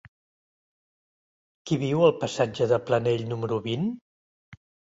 Qui viu al passatge de Planell número vint?